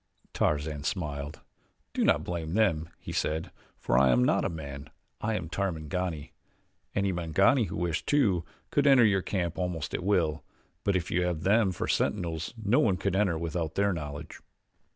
Tarzan smiled. "Do not blame them," he said, "for I am not a man. I am Tarmangani. Any Mangani who wished to, could enter your camp almost at will; but if you have them for sentinels no one could enter without their knowledge."